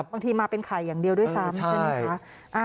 บางทีมาเป็นไข่อย่างเดียวด้วยซ้ำใช่ไหมคะ